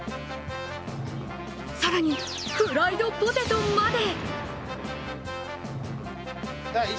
更に、フライドポテトまで！